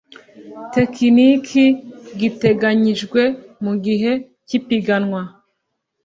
tekiniki giteganyijwe mu gihe cy ipiganwa